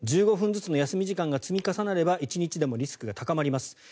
１５分ずつの休み時間が積み重なれば１日でもリスクが高まります。